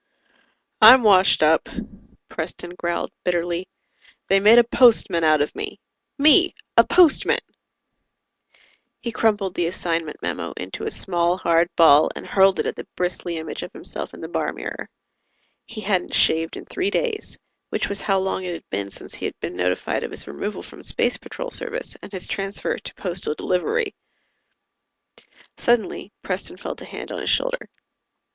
_ "I'm washed up," Preston growled bitterly. "They made a postman out of me. Me a postman!" He crumpled the assignment memo into a small, hard ball and hurled it at the bristly image of himself in the bar mirror. He hadn't shaved in three days which was how long it had been since he had been notified of his removal from Space Patrol Service and his transfer to Postal Delivery. Suddenly, Preston felt a hand on his shoulder.